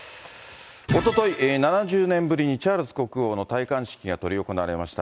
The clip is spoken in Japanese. おととい、７０年ぶりにチャールズ国王の戴冠式が執り行われました。